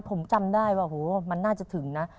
ผมจำได้ว่าโหมันน่าจะถึงนะ